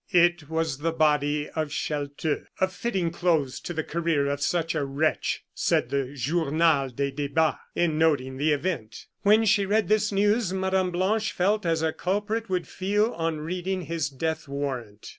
It was the body of Chelteux. "A fitting close to the career of such a wretch," said the Journal des Debats, in noting the event. When she read this news, Mme. Blanche felt as a culprit would feel on reading his death warrant.